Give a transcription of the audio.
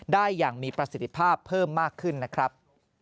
ได้อย่างมีประสิทธิภาพเพิ่มมากขึ้นนะครับ